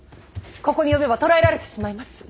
ここに呼べば捕らえられてしまいます。